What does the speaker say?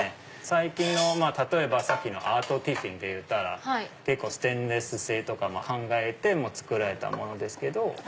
最近の例えばさっきのアートティフィンっていったらステンレス製とか考えて作られたものですけど。